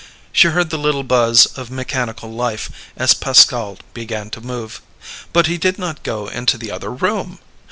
She heard the little buzz of mechanical life as Pascal began to move. But he did not go into the other room!